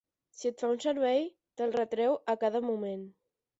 Si et fa un servei, te'l retreu a cada moment.